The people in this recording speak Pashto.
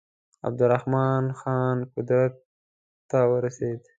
عبدالرحمن خان قدرت ته ورسېدی.